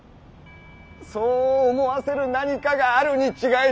そう思わせる何かがあるに違いないッ！